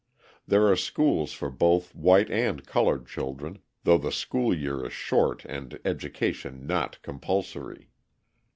There are schools for both white and coloured children, though the school year is short and education not compulsory.